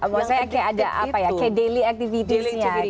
maksudnya kayak ada apa ya kayak daily activities nya kan